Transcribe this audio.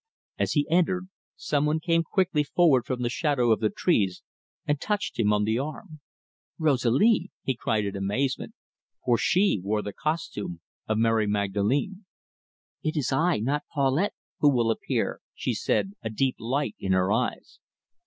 As he entered, some one came quickly forward from the shadow of the trees and touched him on the arm. "Rosalie!" he cried in amazement, for she wore the costume of Mary Magdalene. "It is I, not Paulette, who will appear," she said, a deep light in her eyes.